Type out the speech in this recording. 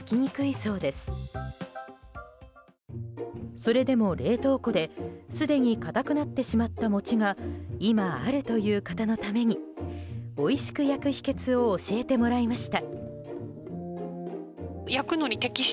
それでも冷凍庫ですでにかたくなってしまった餅が今あるという方のためにおいしく焼く秘訣を教えてもらいました。